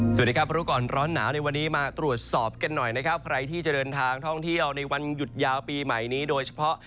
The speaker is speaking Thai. สวัสดีครับรู้ก่อนร้อนหนาวในวันนี้มาตรวจสอบกันหน่อยนะครับใครที่จะเดินทางท่องเที่ยวในวันหยุดยาวปีใหม่นี้โดยเฉพาะ